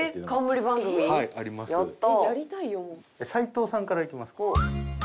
齊藤さんからいきますか。